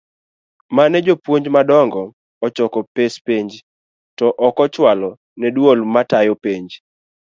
mane jopuonj madongo ochoke pesa penj to okochualo ne duol matayo penj.